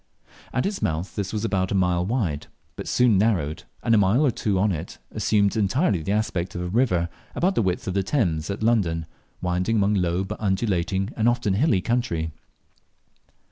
At its mouth this was about half a mile wide, but soon narrowed, and a mile or two on it assumed entirely the aspect of a river about the width of the Thames at London, winding among low but undulating and often hilly country.